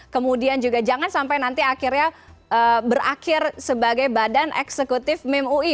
kemudian juga jangan sampai nanti akhirnya berakhir sebagai badan eksekutif mem ui